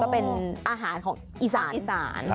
เป็นอาหารของอิสาน